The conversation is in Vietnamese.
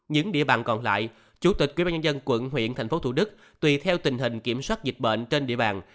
những địa bàn còn lại chủ tịch quỹ ban nhân dân quận huyện tp thủ đức tùy theo tình hình kiểm soát dịch bệnh trên địa bàn